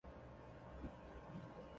散馆授编修。